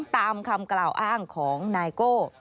ตามคำกล่าวอ้างของนายโก้